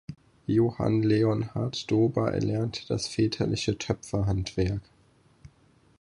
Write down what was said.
Johann Leonhard Dober erlernte das väterliche Töpferhandwerk.